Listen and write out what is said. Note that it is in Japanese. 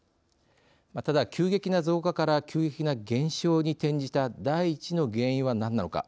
ただ急激な増加から急激な減少に転じた第一の原因は何なのか。